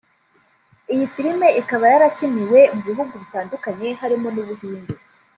Iyi filime ikaba yarakiniwe mu bihugu bitandukanye harimo n’Ubuhinde